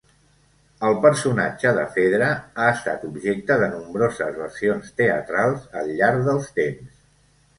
El personatge de Fedra ha estat objecte de nombroses versions teatrals al llarg dels temps.